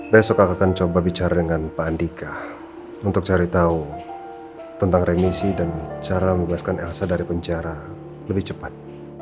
besok akan coba bicara dengan pak andika untuk cari tahu tentang remisi dan cara menjelaskan elsa dari penjara lebih cepat